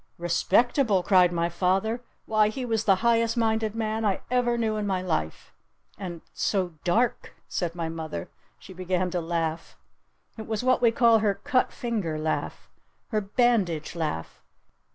"Respectable?" cried my father. "Why, he was the highest minded man I ever knew in my life!" "And so dark?" said my mother. She began to laugh. It was what we call her cut finger laugh, her bandage laugh.